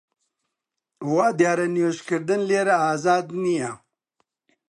وا دیارە نوێژ کردن لێرە ئازاد نییە